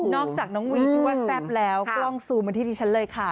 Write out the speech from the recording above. อกจากน้องวีที่ว่าแซ่บแล้วกล้องซูมมาที่ดิฉันเลยค่ะ